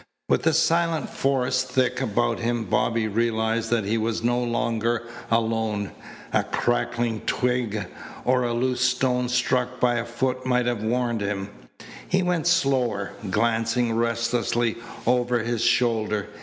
With the silent forest thick about him Bobby realized that he was no longer alone. A crackling twig or a loose stone struck by a foot might have warned him. He went slower, glancing restlessly over his shoulder.